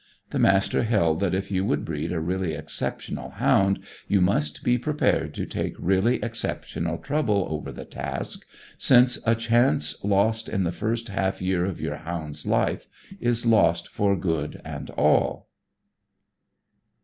The Master held that if you would breed a really exceptional hound, you must be prepared to take really exceptional trouble over the task, since a chance lost in the first half year of your hound's life, is lost for good and all.